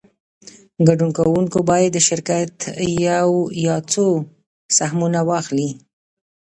ګډون کوونکی باید د شرکت یو یا څو سهمونه واخلي